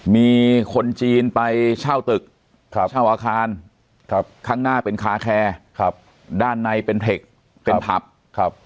มีคนจีนไปเช่าตึกเช่าอาคารข้างหน้าเป็นคาแคร์ด้านในเป็นเทคเป็นผับครับ